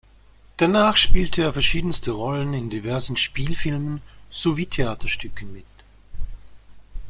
Danach spielte er verschiedenste Rollen in diversen Spielfilmen, sowie Theaterstücken mit.